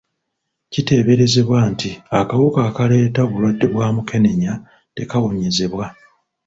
Kiteeberezebwa nti akawuka akaleeta obulwadde bwa mukenenya tekawonyezebwa.